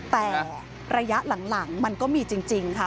แต่ระยะหลังมันก็มีจริงค่ะ